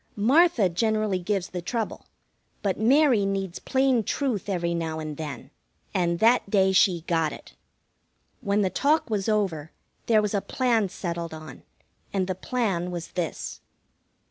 Martha generally gives the trouble, but Mary needs plain truth every now and then, and that day she got it. When the talk was over, there was a plan settled on, and the plan was this.